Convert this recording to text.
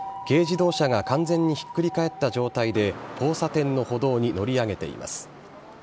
軽自動車が完全にひっくり返った状態で、交差点の歩道に乗り上げています。